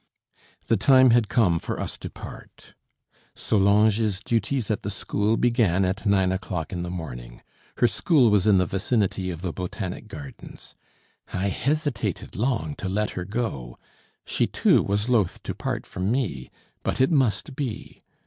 The time had come for us to part. Solange's duties at the school began at nine o'clock in the morning. Her school was in the vicinity of the Botanic Gardens. I hesitated long to let her go; she, too, was loath to part from me. But it must be.